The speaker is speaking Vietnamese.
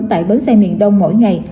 tại bến xe miền đông mỗi ngày